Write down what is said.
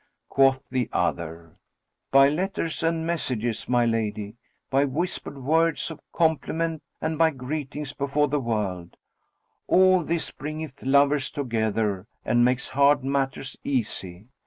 Quoth the other, "By letters and messages, my lady; by whispered words of compliment and by greetings before the world;[FN#37] all this bringeth lovers together and makes hard matters easy.